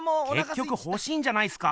けっきょくほしいんじゃないっすか！